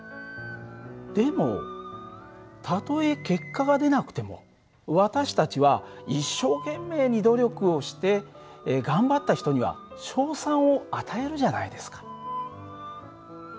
でもたとえ結果が出なくても私たちは一生懸命に努力をして頑張った人には賞賛を与えるじゃないですか。